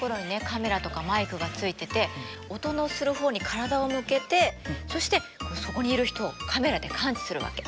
カメラとかマイクがついてて音のする方向に体を向けてそしてそこにいる人をカメラで感知するわけ。